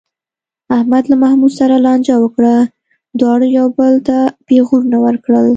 احمد له محمود سره لانجه وکړه، دواړو یو بل ته پېغورونه ورکړل.